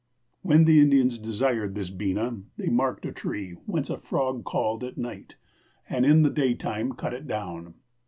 When the Indians desired this beena, they marked a tree whence a frog called at night, and in the daytime cut it down.